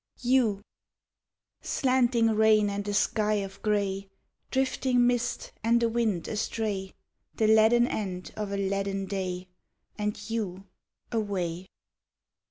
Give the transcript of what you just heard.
You SLANTING rain and a sky of gray, Drifting mist and a wind astray, The leaden end of a leaden day And you away!